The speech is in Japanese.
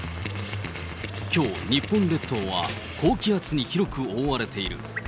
きょう、日本列島は高気圧に広く覆われている。